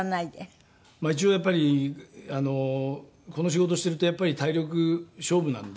まあ一応やっぱりあのこの仕事してるとやっぱり体力勝負なんで。